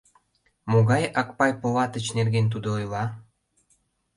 Могай Акпай Полатыч нерген тудо ойла?